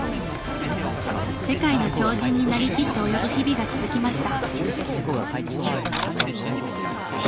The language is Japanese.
世界の超人になりきって泳ぐ日々が続きました。